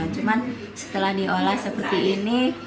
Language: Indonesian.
cuman setelah diolah seperti ini